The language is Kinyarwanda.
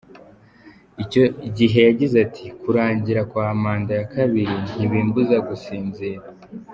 Icyo giye yagize ati: "Kurangira kwa manda ya kabiri ntibimbuza gusinzira.